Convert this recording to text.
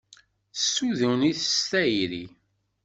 Tessuden-it s tayri